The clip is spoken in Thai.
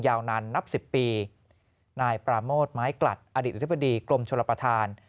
ยาวนานนับสิบปีนายปราโมทไม้กลัดอดีตอธิบดีกรมชลประธาน